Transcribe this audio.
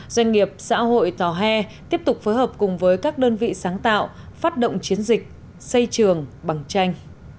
doanh nghiệp xã hội tòa hè tiếp tục phối hợp cùng với các đơn vị sáng tạo phát động chiến dịch xây trường bằng tranh